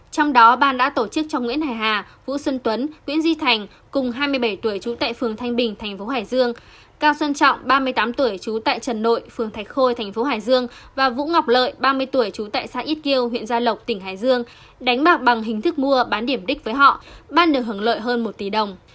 trong đó ban đã tổ chức cho nguyễn hải hà vũ xuân tuấn nguyễn duy thành cùng hai mươi bảy tuổi trú tại phường thanh bình thành phố hải dương cao xuân trọng ba mươi tám tuổi trú tại trần nội phường thạch khôi thành phố hải dương và vũ ngọc lợi ba mươi tuổi trú tại xã ít kiêu huyện gia lộc tỉnh hải dương đánh bạc bằng hình thức mua bán điểm đích với họ ban được hưởng lợi hơn một tỷ đồng